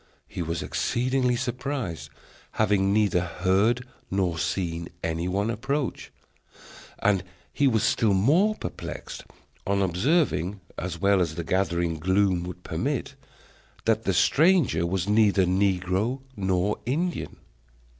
He was exceedingly surprised, having neither heard nor seen any one approach; and he was still more perplexed on observing, as well as the gathering gloom would permit, that the stranger was neither negro nor Indian.